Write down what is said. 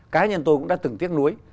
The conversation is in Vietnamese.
cá nhân tôi cũng đã từng tiếc nuối